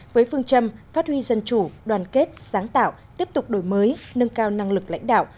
với phương châm phát huy dân chủ đoàn kết sáng tạo tiếp tục đổi mới nâng cao năng lực lãnh đạo